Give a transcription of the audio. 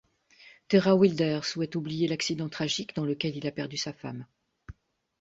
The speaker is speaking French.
Terra Wilder souhaite oublier l'accident tragique dans lequel il a perdu sa femme.